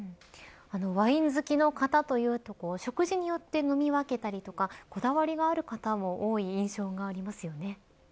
ワイン好きの方というと食事によって飲み分けたりとかこだわりがある方も多い印象がありますよね。